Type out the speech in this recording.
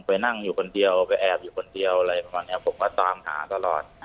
ไปนั่งอยู่คนเดียวไปแอบอยู่คนเดียวอะไรประมาณนี้ผมก็ตามหาตลอด